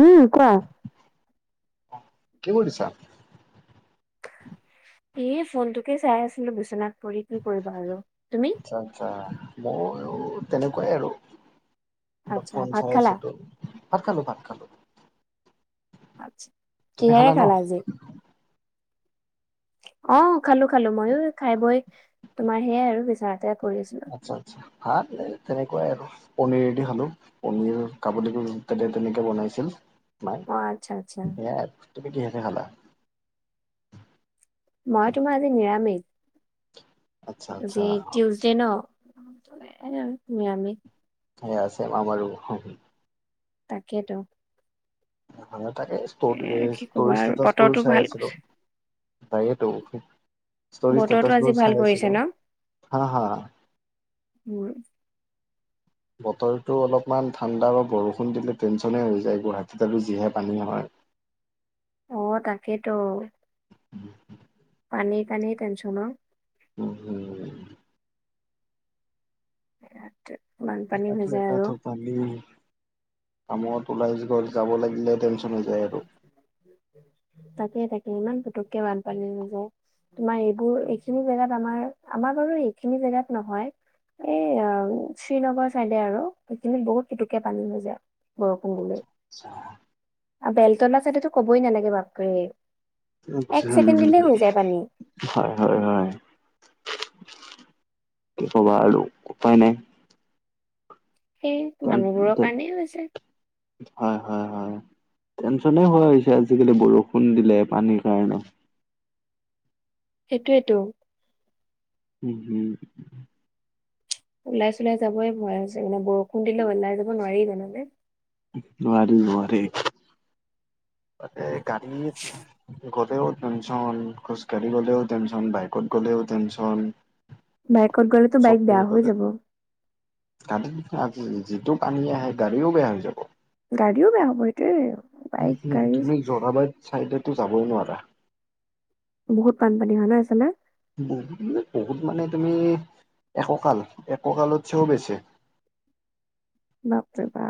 উম, কোৱা? কি কৰিছা? এই ফোনটোকে চাই আছিলো বিচনাত পৰি কি কৰিবা আৰু তুমি? আচ্ছা-আচ্ছা' মইয়ো তেনেকুৱাই আৰু অলপ আচ্ছা ফোন ভাত চাই খালা? আছিলো। ভাত খালো ভাত খালো। তুমি কিহেৰে ন? খালা আজি? অ, খালো খালো, মইয়ো খাই বৈ তোমাৰ সেইয়াই আৰু বিচনাতে পৰি আছো। আচ্ছা-আচ্ছা' ভাত তেনেকুৱাই আৰু। পনিৰেদি খালো, পনিৰ কাবুলী [unintelligible] তেনেকে বনাইছিল। মায়ে অ' আচ্ছা আচ্ছা সেইয়াই আৰু তুমি কিহে দি খালা? মই তোমাৰ আজি নিৰামিষ, আচ্ছা আচ্ছা আজি টিউচ [unintelligible] আৰু নিৰামিষ। সেইয়া আছে আমাৰো। তাকেতো। তাকে [unintelligible] এ ষ্টৰী কি কবা আৰু ষ্টেটাচবোৰ বতৰটো চাই ভাল আছিলো। কৰিছে। তাকেটো ষ্টৰী বতৰটো আজি ষ্টেটাচবোৰ ভাল চাই কৰিছে আছিলো, ন? হা-হা। মোৰ। বতৰটো অলপমান ঠাণ্ডা আৰু বৰষুণ দিলে টেনচনে হৈ যায়, গুৱাহাটীত আৰু যিহে পানী হয়। অ, তাকেতো। পানীৰ কাৰণেই তেনচন অ'। [unintelligible] ইয়াত বানপানী হৈ যায় আৰু। পানী, কামত ওলাই য যাব লাগিলে টেনচন হৈ যায় আৰু। তাকে তাকে ইমান পটককে বানপানী হৈ যায়। তোমাৰ এইবোৰ এইখিনি জেগাত আমাৰ আমাৰ বাৰু এইখিনি জেগাত নহয়। এই শ্ৰীনগৰ চাইডে আৰু সেইখিনিত বহুত পুতুকে পানী হৈ যায় বৰষুণ দি [unintelligible] আৰু বেলতলা চাদডেটো ক'ব ই নালাগে বাপৰে, এক উম, ছেকেণ্ড দিলে হৈ যায় পানী। হয়, হয়, হয়, কি ক'বা আৰু উপায় নাই। সেই মানুহবোৰ কাৰণেই হৈছে। হয়, হয়, হয়, টেনচনেই হৈ গৈছে আজিকালি বৰষুণ দিলে পানীৰ কাৰণে। সেইটোয়েতো। উম উম। ওলাই-চিলে যাবই ভয় হৈছে মানে বৰষুণ দিলে ওলাই যাব নোৱাৰি জানানে। নোৱাৰি নোৱাৰি। তাতে গাড়ীত। গ'লেও টেনচন খোজকাঢ়ি গ'লেও টেনচন বাইকত গ'লেও টেনচন। বাইকত গ'লেতো বাইক বেয়া হৈ যাব। তাত তাত যিটো পানী আহে গাড়ীও বেয়া হৈ যাব। গাড়ীও বেয়া হ'ব এইটোৱে বাইক-গাড়ী। চাইদেতো যাবই নোৱাৰা। বহুত বানপানী হয় ন' সেইফালে? বহুত বহুত মানে তুমি এককাল এককালত চেও বেছি। বাপৰে বা।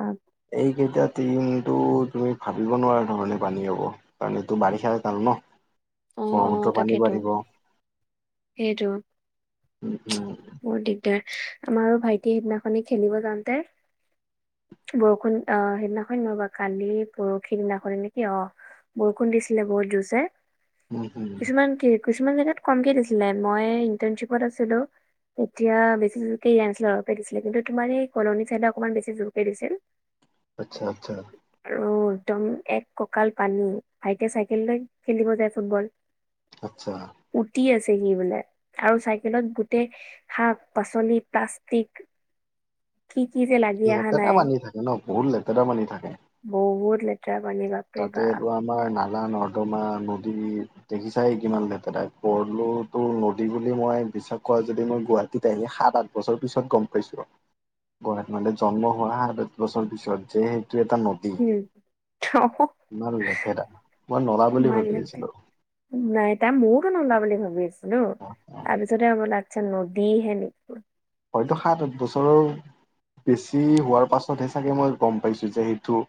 এইকেইটা দিনমটো তুমি ভাবিব নোৱাৰা ধৰণে পানী হ'ব। কাৰণ এইটো বাৰিষা কাল ন' অ অ ব্ৰহ্মপুত্ৰ পানী তাকেতো বাঢ়িব। সেইটো। উম, উম। বহুত দিগদাৰ আমাৰো ভাইটি সেইদিনাখনি খেলিব যাওঁতে। বৰষুণ আহ সেইদিনাখন নহয় বাৰু কালি পৰশি দিনাখনে নেকি অহ। ', বৰষুণ দিছিলে বহুত জোৰচে। উম উম কিছুমান কি কিছুমান জেগাত কমকে দিছিলে মই ইন্টানশ্বিপত আছিলো। তেতিয়া বেছি জোৰকে দিয়া নাছিল অলপে দিছিল কিন্তু তোমাৰ এই কলনী চাইডে অকণমান বেছি জোৰকে দিছিল। [unintelligible] আচ্ছা আচ্ছা। আৰু একদম এক কঁকাল পানী ভাইটিয়ে চাইকেল লৈ খেলিব যায় ফুটবল। [unintelligible] আচ্ছা। উটি আছে সি বোলে আৰু চাইকেলত গোটেই। শাক পাচলি প্লাষ্টিক। কি কি যে লা লেতেৰা পানী থাকে ন বহুত লেতেৰা পানী থাকে। বহুত লে তাতে এইটো আমাৰ নালা নৰ্দমা নদী। দেখিছা কিমান লেতেৰা ভৰলো টো নদী বুলি মই বিশ্বাস কৰা যদি মই গুৱাহাটীত আহি সাত আঠ বছৰ পিছত গম পাইছো। গুৱাহাটী মানে জন্ম হোৱা আগত বছৰ পিছত যে সেইটো এটা নদী। এই টো। ইমান লেতেৰা মই নলা বুলি ভাবি লেতেৰা আছিলোঁ। নাই তাই ময়োটো নলা বুলি ভাবি আছিলো তাৰপিছত। পিছতে উলাইছে নদী হেনো ন। হয়তো সাত আঠ বছৰৰ। বেছি হোৱাৰ পাছতহে চাগে মই গম পাইছো যে সেইটো।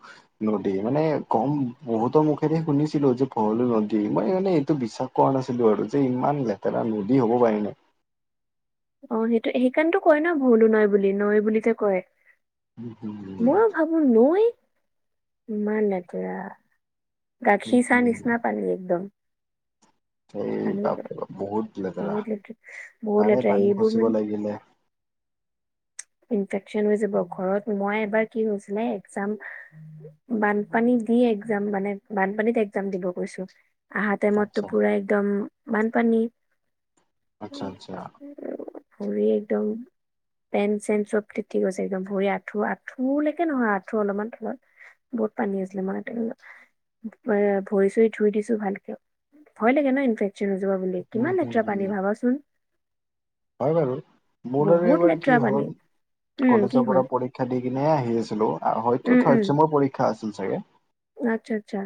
নদী মানে গম বহুতৰ মুখেৰে শুনিছিলোঁ যে ভৰলু নদী মই মানে এইটো বিশ্বাস। কৰা নাছিলো আৰু যে ইমান লেতেৰা নদী হ'ব পাৰেনে? অ সেইটো সেইকাৰণে কয় ন ভলো নাই বুলি নৈ বুলিযে কয় উম, ময়ো ভাবো। নৈ ইমান লেতেৰা। উম, গাখীৰ চাহ উম, নিচিনা পানী একদম। এই পানী যে বাপৰে বাপ বহুত লেতেৰা বহুত তাৰে লেতেৰা পানী এইবোৰ খচিব মানে। লাগিলে ইনফেকচন হৈ যাব ঘৰত মই এবাৰ কি হৈছিলে একজাম। বানপানী দি একজাম মানে। বানপানীত একজাম দিব গৈছো আহো তে মই আচ্ছা টোপুৰাই একদম বানপানী। আচ্ছা আচ্ছা। অ ভৰি একদম। পেণ্ট চেনট চব তিতি গৈছে একদম ভৰি আঠু আঁঠুলৈকে নহয় আঁঠু অলপমান তলত। বহুত পানী আছিলে মাৰ ভৰি চৰি ধুই দিছো ভালকে ভয় লাগে ন ইনফেক্ট। জবা বুলি উম কিমান হম লেতেৰা পানী হম ভাবাচোন। হয় বাৰু বৰ্ডাৰ বহুত এবাৰ লেতেৰা কি পানী। হল। উম কি কলেজৰ হ'ল পৰা পৰীক্ষা দি কিনে আহি আছিলো আৰু হয়তো উম উম থাৰ্ড চেমৰ পৰীক্ষা আছিল চাগে। আচ্ছা আচ্ছা।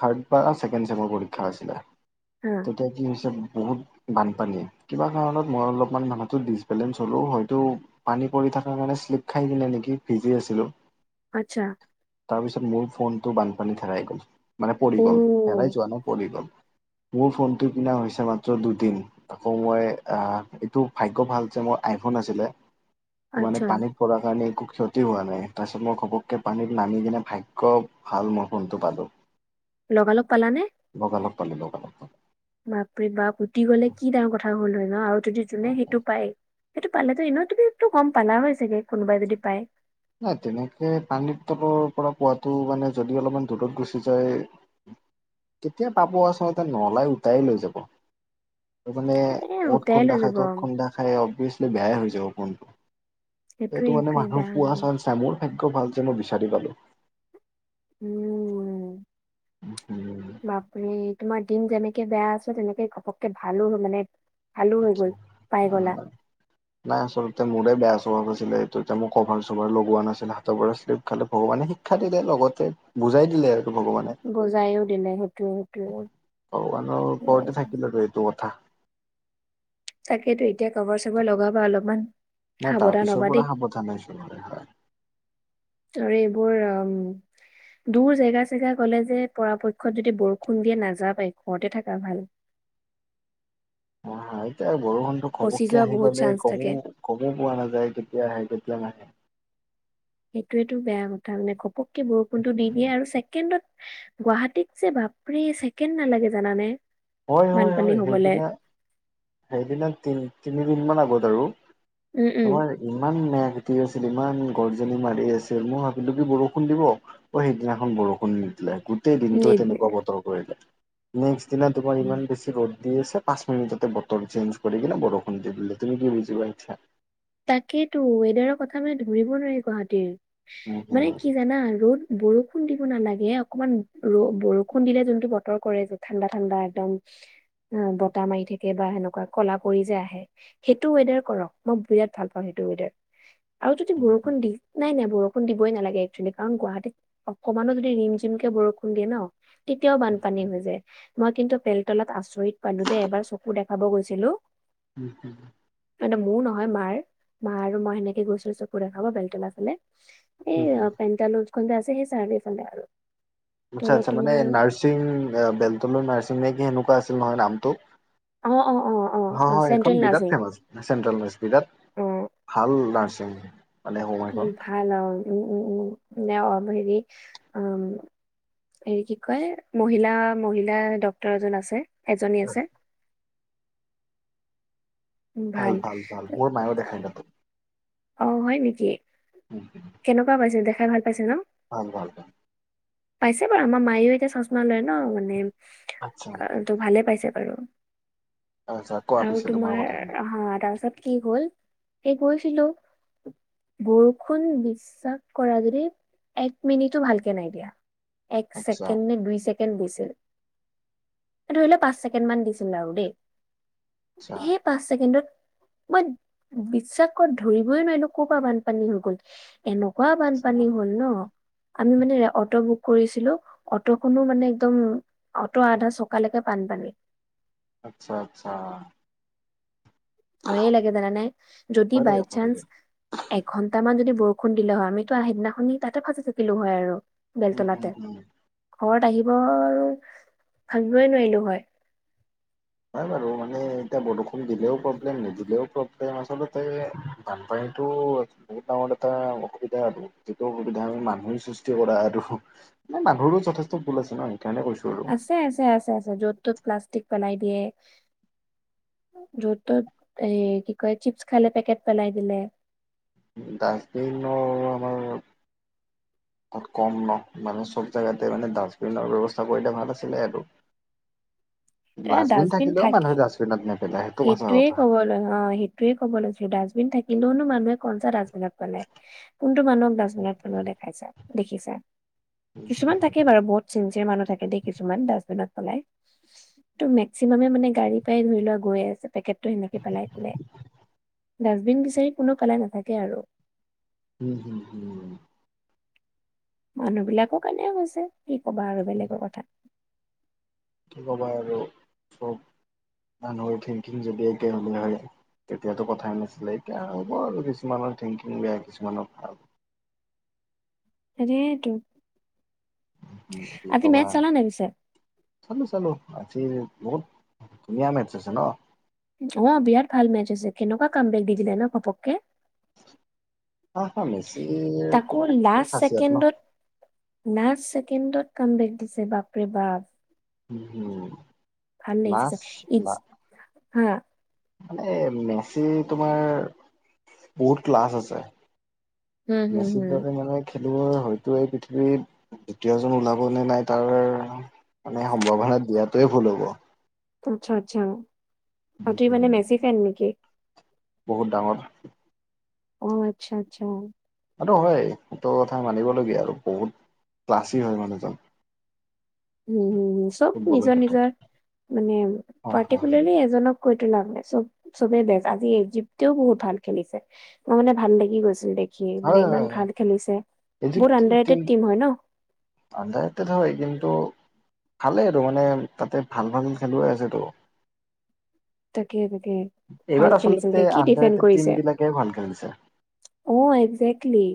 থাৰ্ড বা ছেকেণ্ড চেমৰ পৰীক্ষা আছিলে। হম। তেতিয়া কি হৈছে বহুত বানপানী কিবা কাৰণত। মই অলপমান মানুহটো ডিচবেলেঞ্চ হ'লো হয়তো। পানী পৰি থকাৰ কাৰণে শ্লিপ খাই দিলে নেকি ভিজি আছিলো। আচ্ছা। তাৰপিছত মোৰ ফোনটো বানপানীত হেৰাই গ'ল মানে পৰি অ গ'ল হেৰাই যোৱা নাই পৰি গ'ল। মোৰ ফোনটো কিনা হৈছে মাত্ৰ দুদিন আকৌ মই অ এইটো ভাগ্য ভাল যে মোৰ আইফোন আছিলে আচ্ছা মানে পানীত। কাৰণে একো ক্ষতি হোৱা নাই তাৰপিছত মই ঘপককৈ পানীত নামি কিনে ভাগ্য। ভাল মই ফোনটো পালো।। লগালগ পালানে? লগালগ পালো, লগালগ পালো। বাপ ৰে বাপ উুটি গলে কি ডাঙৰ কথা হ'ল হয় ন আৰু যদি যোনে সেইটো পায় সেইটো পালেতো এনেও তুমি টো গম পালা হ‌য় ছাগে কোনোবাই যদি পায়। নাই তেনেকে পানীৰ তলৰ পৰা পোৱাটো মানে যদি অলপমান দূৰত গুচি যায়। তেতিয়া পাব আচলতে নলাই উটায়ে লৈ যাব। সেইটো মানে এ অ'ত উটাই খুন্দা লৈ খাই যাব। ত'ত খুন্দা খাই অবিয়েচলি বেয়াই হৈ যাব ফোনটো। সেইটোৱে সেইটো মানে সেইটোৱে মানুহ বেয়া হৈ পোৱা যাব চান্স মোৰ ভাগ্য ভাল যে মই বিচাৰি পালো। উম, বাপৰে। তোমাৰ দিন যেনেকে বেয়া আছে তেনেকে ঘপককে ভালো হ'ল মানে। ভালো হৈ গ'ল পাই গ'লা ধন্যবাদ। নাই আচলতে মোৰে বেয়া স্বভাৱ আছিলে নাই আচলতে মোৰে বেয়া এইটো এতিয়া মোৰ কভাৰ, চভাৰ লগোৱা নাছিলে হাতৰ পৰা শ্লিপ খালে ভগৱানে শিক। শিক্ষা দিলে লগতে বুজাই দিলে আৰু ভগৱানে। বজাইও দিলে সেইটোও, সেইটো। ভগবানৰ ওপৰতে থাকিল আৰু এইটো কথা। তাকেতো এতিয়া কভাৰ, চভাৰ লগাবা অলপমান। নাই তাৰ সাৱধান পিছৰ হবা দেই পৰা সাৱধান নাই চোন হয় হয় আৰু এইবোৰ আম দূৰ জেগা-চেগা গ'লে যে পৰাপক্ষত যদি বৰষুণ দিয়ে নাযাবাই ঘৰতে থাকা ভাল অ'এতিয়া বৰষুণটো পচি ঘপককে যোৱা আহি বহুত গলে চান্স থাকে গমো গমো পোৱা নাযায় কেতিয়া আহে কেতিয়া নাহে সেইটোয়েতো বেয়া কথা মানে ঘপককে বৰষুণটো দি দিয়ে আৰু ছেকেণ্ডত গুৱাহাটীত যে বাপৰে ছেকেণ্ড নালাগে জানানে হয় হয় বানপানী হয় হবলে সেইদিনা সেইদিনা তিন তিনিদিনমান আগত আৰু উম উম তোমাৰে ইমান মেঘ দি আছিল ইমান গৰজনী মাৰি আছিল মোৰ ভাবিলো কি বৰষুণ দিব। অ' সেইদিনাখন বৰষুণ নিদিলে গো গোটেই দিনটো নি তেনেকুৱা বতৰ কৰিলে নেক্স দিনা তোমাৰ ইমান বেছি ৰ'দ দি আছে পাঁচ মিনিটতে বতৰ চেঞ্জ কৰি কিনে বৰষুণ দি দিলে তুমি কি বুজিবা এটয়া তাকেইটো ৱেডাৰৰ কথা মানে ধৰিব নোৱাৰি গুৱাহাটীৰ, উম মানে কি জানা ৰ' বৰষুণ দিব নালাগে অকমান ৰ বৰষুণ দিলে যোনটো বতৰ কৰে যে ঠাণ্ডা ঠাণ্ডা একদম অ' বতাহ মাৰি থাকে বা সেনেকুৱা ক'লা পৰি যে আহে সেইটো ৱেডাৰ কৰক মই বিৰাট ভাল পাওঁ সেইটো ৱেডাৰ আৰু যদি বৰষুণ দি নাই নাই বৰষুণ দিবই নালাগে একচুৱেলি কাৰণ গুৱাহাটীত অকমানো যদি ৰিম-যিমকে বৰষুণ দিয়ে ন তেতিয়াও বানপানী হৈ যায় মই কিন্তু পেলতলাত আচৰিত পালো দে এবাৰ চকু দেখাব গৈছিলোঁ উম উম মানে মোৰ নহয় মাৰ, মা আৰু মই সেনেকে গৈছিলো চকু দেখাব বেলতলাৰ ফালে এই পেণ্টালোজখন আছে সেই চাৰিয়ালি ফালে আৰু আচ্ছা ত' আচ্ছা মানে তোমাৰ নাৰ্ছিং বেলতলা নাৰ্ছিং নে কি সেনেকুৱা আছিল নহয় নামটো অ অ অ অ চেন্ট্ৰেল নাৰ্চিং চেণ্ট্ৰেলমিস্পিলাত ভাল নাৰ্ছিং মানে হোম উম এখন ভাল আৰু উম উমউম হেৰি উম হেৰি কি কয় মহিলা-মহিলা ডক্তৰ এজন আছে এজনী আছে। ভাল ভাল ভাল মোৰ মায়েও দেখাই তাতে। অ হয় নেকি? উম কেনেকুৱা পাইছে দেখাই ভাল পাইছে ন? ভাল ভাল ভাল পাইছে বাৰু আমাৰ মায়েও এতিয়া চশমা লয় ন মানে আচ্ছা অ ত ভালে পাইছে বাৰু আচ্ছা কোৱা আৰু পিছে তোমাৰ কথাখিনি অ তাপাছত কি হ'ল এ কৈছিলো বৰষুণ দি বিশ্বাস কৰা যদি এক মিনিটো ভালকে নাই দিয়া এক আচ্ছা ছেকেণ্ড নে দুই ছেক কেণ্ড দিছিল এ ধৰি ল পাঁচ ছেকেণ্ড মান দিছিল আৰু দেই আচ্ছা হেপ পাঁচ ছেকেণ্ডত মই বিশ্বাসত ধৰিবই নোৱাৰিলোঁ ক'ৰ পৰা বানপানী হৈ গ'ল এনকা আচ্ছা বানপানী হ'ল ন আমি মানে অট বুক কৰিছিলো অট'খনো মানে একদম অ'ট আধা চকালেকে বানপানী আটচ্ছা আটচ্ছা ভয়ে লাগে জানানে যদি ভয় লাগে বাইচান্স আপোনালোকে এঘণ্টা মান যদি বৰষুণ দিলে হয় আমিতো আহ সিদিনাখনি তাতে ফাঁচি থাকিলো হয় আৰু উম উম বেলতলাতে উম ঘৰত আহিব আৰু ভাবিবই নোৱাৰিলো হয়। হয় বাৰু মানে এতিয়া বৰষুণ দিলেও প্ৰব্লেম নিদিলেও প্ৰব্লেম আচলত। এই বানপানী টো বহুত ডাঙৰ এটা অসুবিধা আৰু। যিটো অসুবিধা মানুহৰেই সৃষ্টি কৰা আৰু ম মানুহৰো যথেষ্ট ভুল আছে ন সেইকাৰণে কৈছো। আৰু আছে আছে আছে আছে য'ত ত'ত প্লাষ্টিক পেলাই দিয়ে। য'ত তত এ কি কয় চিপছ খালে পেকেট পেলাই দিলে। ডাষ্টবিনৰ আমাৰ। তাত কম ন মানে চব জেগাতে মানে ডাষ্টবিনৰ ব্যৱস্থা কৰিলে ভাল আছিলে আৰু। এ ডাষ্টবিন থাকিলেও থাকি। মানুহে ডাষ্টবিনত নেপেলাই। সেইটো সঁচা সেইটয়ে কথা। ক'ব ল অ সেইটোৱে ক'ব লৈছো ডাষ্টবিন থাকিলেওনো মানুহে কনচা ডাষ্টবিনত পালেই কোনটো মানুহক ডাষ্টবিনত পেলোৱা দেখাইছ দেখিছা। কিছুমান থাকেই উম বাৰু বহুত। চিনঞ্চিয়েৰ মানুহ থাকে দেই কিছুমান ডাষ্টবিনত পলাই ত মেক্সিমামে মানে গাড়ী পাই ধৰিলক। গৈ আছে পেকেটটো সেনেকে পেলাই দিলে ডাষ্টবিন বিচাৰি কোনো পেলাই নাথাকে আৰু। হু হু হু। মানুহ বিলাকৰ কাৰনে হৈছে কি কবা আৰু বেলেগৰ কথা। কি কবা আৰু চব মানুহৰ থিংকিং যদি একে হলে হয়। তেতিয়াতো কথাই নাছিলে এতিয়া হ'ব আৰু কিছুমানৰ থিংকিং বেয়া কিছুমানৰ ভাল। সেইয়েটো আজি মেজ চাল নে পিছে। চালোঁ চালোঁ আজি বহুত ধুনীয়া মেটছ হৈছে ন। অ বিৰাট ভাল মেচ আছে কেনেকুৱা কাম বেক দি দিলে ন ঘপককে। হ হা মেচিৰ তাকো তোমাৰ খাঁচিয়ত ন। নাচ ছেকেণ্ডত কাম বেক দিছে বাপৰে বাপ। উহ। ভাল লাগিছে চ ইছ হা। এ মেচিৰ তোমাৰ বহুত ক্লাছ আছে। হুম হুম মেচি হুম। দতে মানে। খেলুৱৈ হয়তো এই পৃথিৱীত দ্বিতীয়জন ওলাব নে নাই তাৰ। মানে সম্ভাৱনা দিয়াতোৱে ভুল হ'ব। আচ্ছা আচ্ছা আটো মানে মেচি ফেন নেকি। বহুত ডাঙৰ। অ আচ্ছা আচ্ছা। সেইটো হয় সেটো কথা মানিবলগীয়া আৰু বহুত ক্লাছি হয় মানুহজন। উম হ চব ফুটবলৰ নিজৰ ক্ষেত্ৰত নিজৰ মানে হয় পাৰ্টিকুলাৰলি এজনক। কৈ তো লাম নাই চব চবে বেজ আজি এই জীপ্তেও বহুত ভাল খেলিছে। মই মানে ভাল লাগি গৈছিল দেখি হয় মানে হয় ইমান হয় ভাল খেলিছে বহুত আডাৰটেড টিম হয় ন। আডাৰটেড হয় কিন্তু। ভালেই সেইটো কাৰণে তাতে ভাল ভাল খেলুৱৈ আছেতো। তাকে তাকে। ভাল এইবাৰ খেলিছে যে আচলতে কি আন্দাৰ ডিফেণ্ড কৰিছে ফিফটিন বিলাকেই ভাল খেলিছে। অ এগজেক্টলি।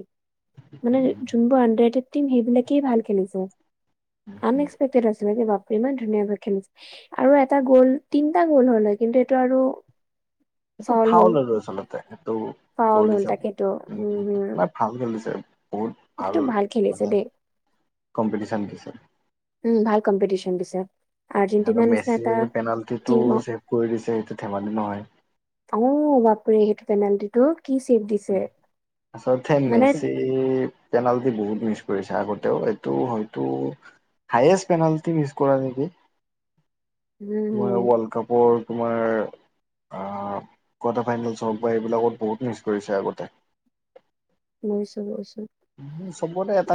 মানে যোনবোৰ আন্দাৰ ফিফটিন সেইবিলাকেই ভাল খেলিছে। আনএক্সপেক্টেদ আছিলে দেই। ইমান ধুনীয়াকৈ খেলিছে। আৰু এটা গ'ল তিনটা গ'ল হ'লহৈ কিন্তু এইটো আৰু। সেইটো ফাউল আৰু আচলতে সেইটো ফাউল গ'ল হ'ল হিচাপে তাকেতো উম হম [inaudible] ভাল খেলিছে, বহুত ভাল কিন্তু খেলিছে মানে দেই কম্পিটিশ্যন দিছে। উম, ভাল কম্পিটিশন দিছে। আৰু আৰ্জেন্টিনাৰ নিচিনা এটা মেচিৰ পেনাল্টিটো টিমক ছেভ কৰি দিছে সেইটো ধেমালি নহয়। অ বাপৰে! সেইটো পেনাল্টিটো কি চেফ দি আচলতে মেচি এ পেনাল্টি বহুত মিচ কৰিছে আগতেও এইটো হয়তো হাইয়েষ্ট পেনালটি মিছ কৰা নেকি? উম হু অ ৱৰ্ল্ড কাপৰ তোমাৰ আ কোৱাৰ্টাৰ ফাইনেলছ হওক বা এইবিলাকত বহুত মিছ কৰিছে আগতে। বুইছো বুইছো। উ চবতে এটা